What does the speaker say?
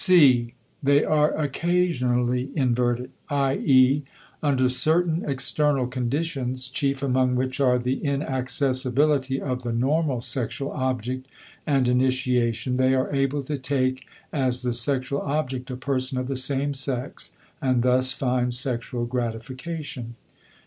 (c) They are occasionally inverted; i.e., under certain external conditions, chief among which are the inaccessibility of the normal sexual object and initiation, they are able to take as the sexual object a person of the same sex and thus find sexual gratification.